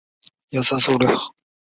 昔曾改名陈天崴。